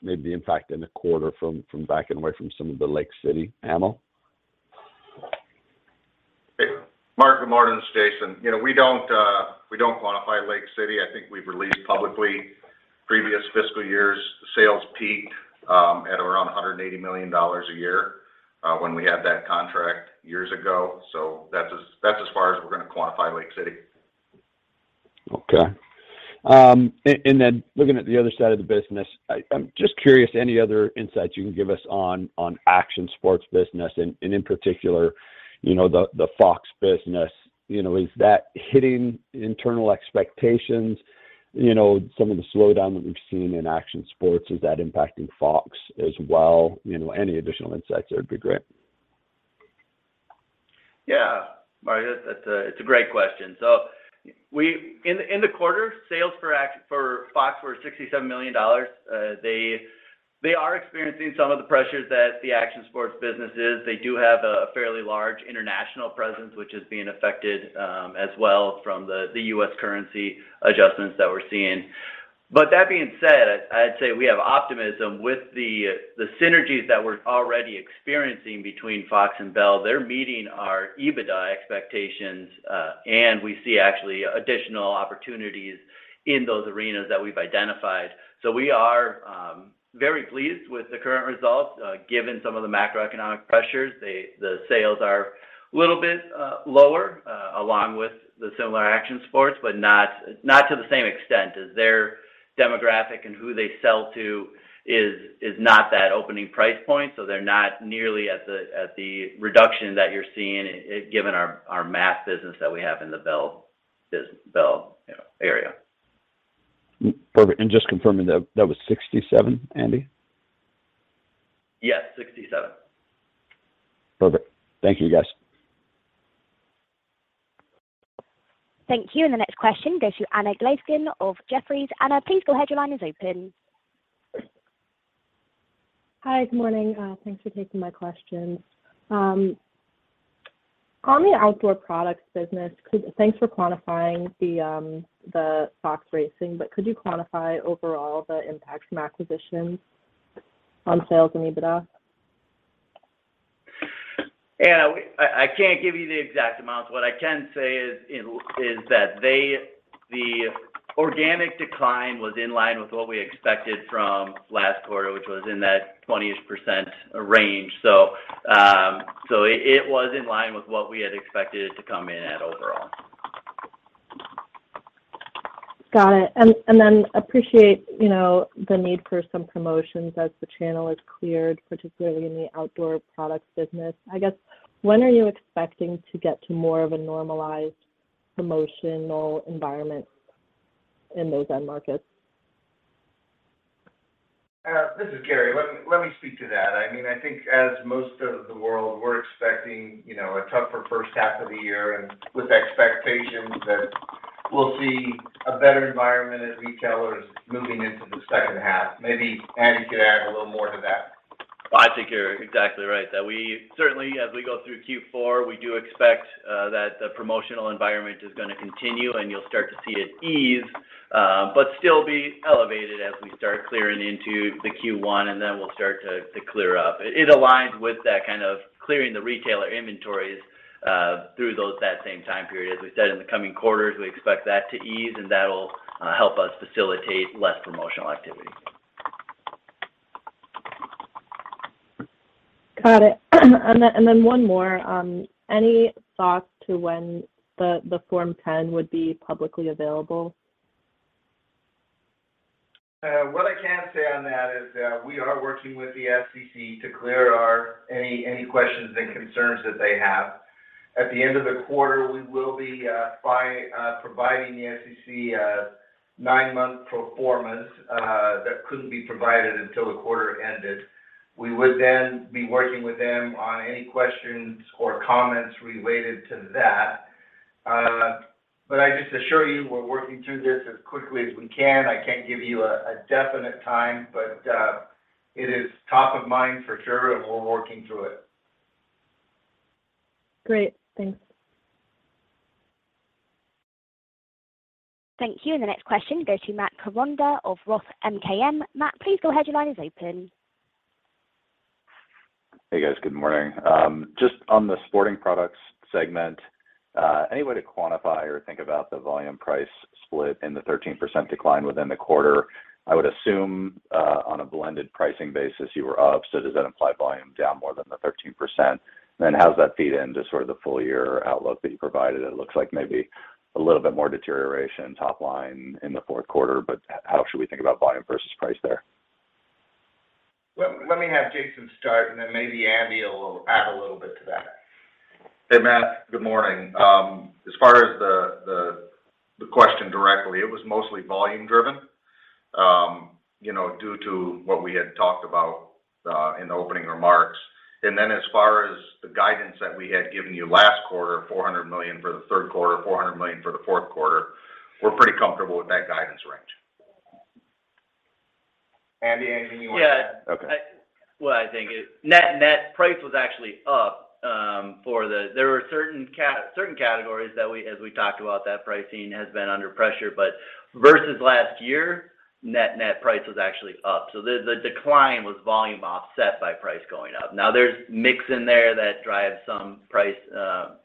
Speaker 7: maybe the impact in the quarter from backing away from some of the Lake City ammo?
Speaker 4: Mark, good morning. This is Jason. You know, we don't, we don't quantify Lake City. I think we've released publicly previous fiscal years' sales peaked at around $180 million a year when we had that contract years ago. That's as far as we're gonna quantify Lake City.
Speaker 7: Okay. Looking at the other side of the business, I'm just curious any other insights you can give us on Action Sports business and in particular, you know, the Fox business. You know, is that hitting internal expectations? You know, some of the slowdown that we've seen in Action Sports, is that impacting Fox as well? You know, any additional insights there would be great.
Speaker 5: Mark, that's a great question. In the quarter, sales for Fox were $67 million. They are experiencing some of the pressures that the Action Sports business is. They do have a fairly large international presence, which is being affected as well from the U.S. currency adjustments that we're seeing. That being said, I'd say we have optimism with the synergies that we're already experiencing between Fox and Bell. They're meeting our EBITDA expectations, and we see actually additional opportunities in those arenas that we've identified. We are very pleased with the current results. Given some of the macroeconomic pressures, the sales are a little bit lower, along with the similar Action Sports but not to the same extent as their demographic and who they sell to is not that opening price point, so they're not nearly as the reduction that you're seeing given our mass business that we have in the Bell area.
Speaker 7: Perfect. just confirming that that was 67, Andy?
Speaker 5: Yes, 67.
Speaker 7: Perfect. Thank you, guys.
Speaker 1: Thank you. The next question goes to Anna Glaessgen of Jefferies. Anna, please go ahead. Your line is open.
Speaker 8: Hi. Good morning. Thanks for taking my questions. On the Outdoor Products business, thanks for quantifying the Fox Racing, but could you quantify overall the impact from acquisitions on sales and EBITDA?
Speaker 5: Anna, I can't give you the exact amounts. What I can say is that the organic decline was in line with what we expected from last quarter, which was in that 20-ish% range. It was in line with what we had expected it to come in at overall.
Speaker 8: Got it. Then appreciate, you know, the need for some promotions as the channel is cleared, particularly in the Outdoor Products business. I guess, when are you expecting to get to more of a normalized promotional environment in those end markets?
Speaker 3: This is Gary McArthur. Let me speak to that. I mean, I think as most of the world, we're expecting, you know, a tougher first half of the year and with expectations that we'll see a better environment as retailers moving into the second half. Maybe Andy Keegan could add a little more to that.
Speaker 5: I think you're exactly right. Certainly, as we go through Q4, we do expect that the promotional environment is gonna continue, and you'll start to see it ease, but still be elevated as we start clearing into the Q1, and then we'll start to clear up. It aligns with that kind of clearing the retailer inventories through that same time period. As we said in the coming quarters, we expect that to ease, and that'll help us facilitate less promotional activity.
Speaker 8: Got it. Then one more. Any thoughts to when the Form-10 would be publicly available?
Speaker 3: What I can say on that is that we are working with the SEC to clear any questions and concerns that they have. At the end of the quarter, we will be providing the SEC a nine-month performance that couldn't be provided until the quarter ended. We would then be working with them on any questions or comments related to that. I just assure you we're working through this as quickly as we can. I can't give you a definite time, but it is top of mind for sure, and we're working through it.
Speaker 8: Great. Thanks.
Speaker 1: Thank you. The next question goes to Matt Koranda of ROTH MKM. Matt, please go ahead. Your line is open.
Speaker 9: Hey, guys. Good morning. Just on the Sporting Products segment, any way to quantify or think about the volume price split in the 13% decline within the quarter? I would assume, on a blended pricing basis, you were up, so does that imply volume down more than the 13%? How does that feed into sort of the full-year outlook that you provided? It looks like maybe a little bit more deterioration top line in the fourth quarter, how should we think about volume versus price there?
Speaker 3: Let me have Jason start, and then maybe Andy will add a little bit to that.
Speaker 4: Hey, Matt. Good morning. As far as the question directly, it was mostly volume driven, you know, due to what we had talked about in the opening remarks. As far as the guidance that we had given you last quarter, $400 million for the third quarter, $400 million for the fourth quarter, we're pretty comfortable with that guidance range. Andy, anything you wanna add?
Speaker 9: Okay.
Speaker 5: Well, I think net price was actually up for the... There were certain categories that we, as we talked about, that pricing has been under pressure. Versus last year, net net price was actually up. The decline was volume offset by price going up. There's mix in there that drives some price,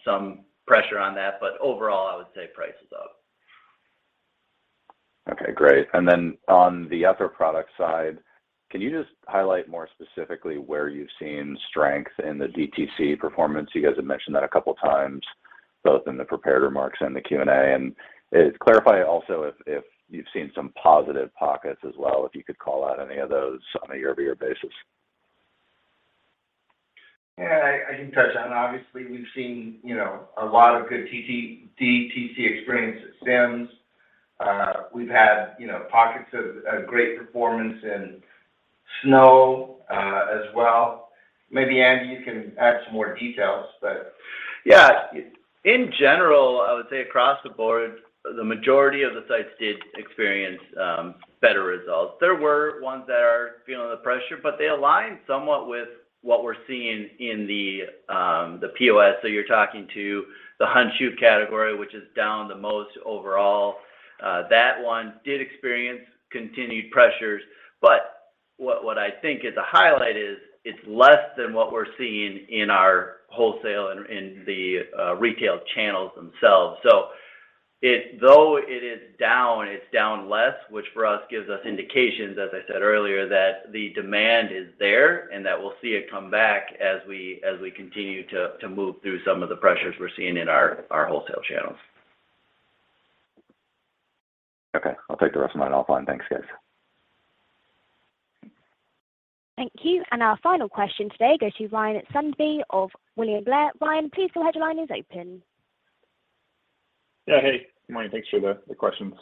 Speaker 5: some pressure on that, but overall, I would say price is up.
Speaker 9: Okay, great. On the other product side, can you just highlight more specifically where you've seen strength in the DTC performance? You guys have mentioned that a couple times, both in the prepared remarks and the Q&A. Clarify also if you've seen some positive pockets as well, if you could call out any of those on a year-over-year basis.
Speaker 3: I can touch on. Obviously, we've seen, you know, a lot of good DTC experience at Simms Fishing. We've had, you know, pockets of great performance in snow as well. Maybe Andy, you can add some more details.
Speaker 5: In general, I would say across the board, the majority of the sites did experience better results. There were ones that are feeling the pressure, but they align somewhat with what we're seeing in the POS. You're talking to the hunt shoot category, which is down the most overall. That one did experience continued pressures. What I think is a highlight is it's less than what we're seeing in our wholesale and in the retail channels themselves. Though it is down, it's down less, which for us, gives us indications, as I said earlier, that the demand is there and that we'll see it come back as we continue to move through some of the pressures we're seeing in our wholesale channel.
Speaker 9: I'll take the rest of mine offline. Thanks, guys.
Speaker 1: Thank you. Our final question today goes to Ryan Sundby of William Blair. Ryan, please tell us your line is open.
Speaker 10: Hey, good morning. Thanks for the questions.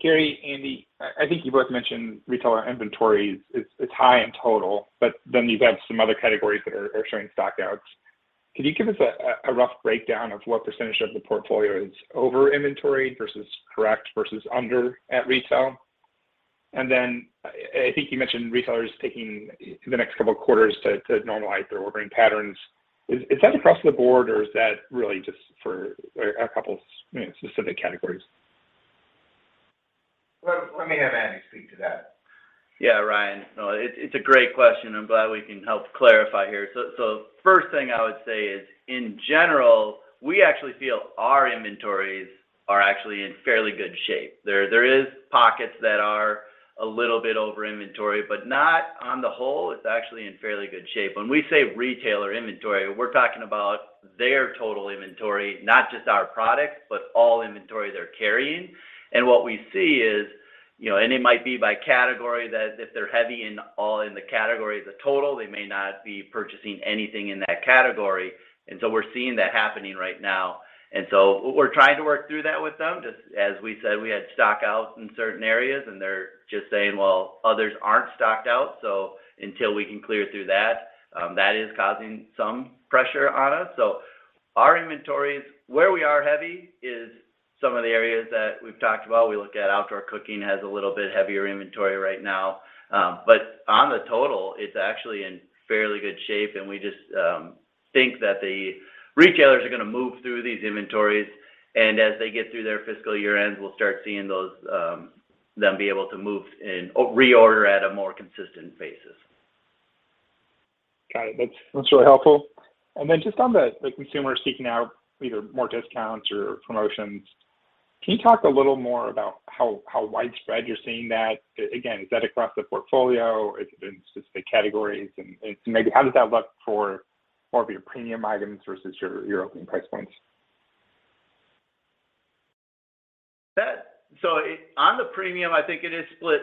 Speaker 10: Gary, Andy, I think you both mentioned retailer inventories. It's high in total, but then you've got some other categories that are showing stock-outs. Can you give us a rough breakdown of what percentage of the portfolio is over inventoried versus correct versus under at retail? I think you mentioned retailers taking the next couple of quarters to normalize their ordering patterns. Is that across the board or is that really just for a couple specific categories?
Speaker 3: Let me have Andy speak to that.
Speaker 5: Ryan. It's a great question. I'm glad we can help clarify here. First thing I would say is, in general, we actually feel our inventories are actually in fairly good shape. There is pockets that are a little bit over inventory, but not on the whole, it's actually in fairly good shape. When we say retailer inventory, we're talking about their total inventory, not just our products, but all inventory they're carrying. What we see is, you know, and it might be by category that if they're heavy in all in the category as a total, they may not be purchasing anything in that category. We're seeing that happening right now. We're trying to work through that with them. Just as we said, we had stock-outs in certain areas and they're just saying, well, others aren't stocked out, so until we can clear through that is causing some pressure on us. Our inventories, where we are heavy is some of the areas that we've talked about. We look at outdoor cooking has a little bit heavier inventory right now. But on the total, it's actually in fairly good shape and we just think that the retailers are gonna move through these inventories, and as they get through their fiscal year ends, we'll start seeing those, them be able to re-order at a more consistent basis.
Speaker 10: Got it. That's really helpful. Just on the consumer seeking out either more discounts or promotions, can you talk a little more about how widespread you're seeing that? Again, is that across the portfolio? Is it in specific categories? Maybe how does that look for more of your premium items versus your opening price points?
Speaker 5: On the premium, I think it is split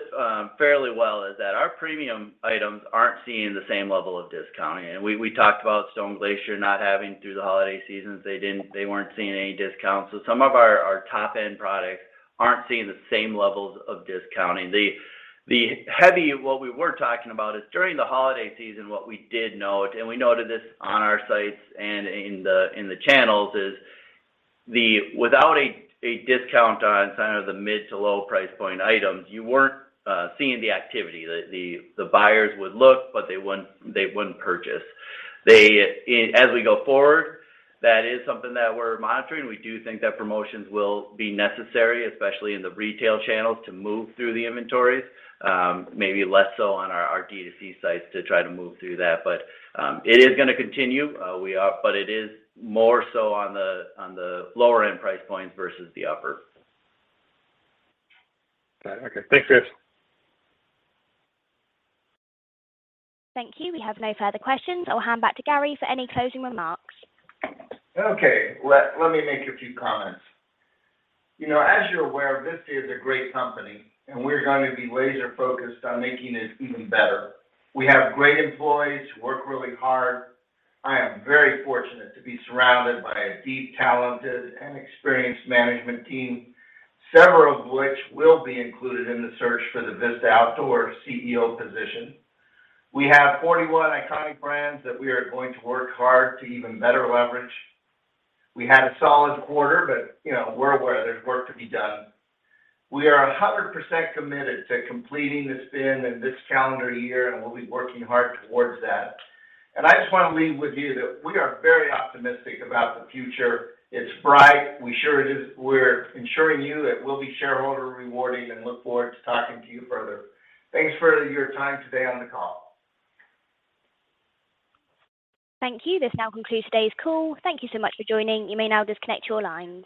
Speaker 5: fairly well, is that our premium items aren't seeing the same level of discounting. We talked about Stone Glacier not having through the holiday seasons, they weren't seeing any discounts. Some of our top end products aren't seeing the same levels of discounting. The heavy, what we were talking about is during the holiday season, what we did note, and we noted this on our sites and in the channels, is without a discount on kind of the mid to low price point items, you weren't seeing the activity. The buyers would look, but they wouldn't purchase. As we go forward, that is something that we're monitoring. We do think that promotions will be necessary, especially in the retail channels, to move through the inventories. Maybe less so on our DTC sites to try to move through that. It is gonna continue. It is more so on the, on the lower end price points versus the upper.
Speaker 10: Got it. Okay. Thanks, guys.
Speaker 1: Thank you. We have no further questions. I'll hand back to Gary for any closing remarks.
Speaker 3: Okay. Let me make a few comments. You know, as you're aware, Vista is a great company, and we're going to be laser focused on making it even better. We have great employees who work really hard. I am very fortunate to be surrounded by a deep, talented and experienced management team, several of which will be included in the search for the Vista Outdoor CEO position. We have 41 iconic brands that we are going to work hard to even better leverage. We had a solid quarter, but, you know, we're aware there's work to be done. We are 100% committed to completing the spin in this calendar year, and we'll be working hard towards that. I just wanna leave with you that we are very optimistic about the future. It's bright. We're ensuring you it will be shareholder rewarding and look forward to talking to you further. Thanks for your time today on the call.
Speaker 1: Thank you. This now concludes today's call. Thank you so much for joining. You may now disconnect your lines.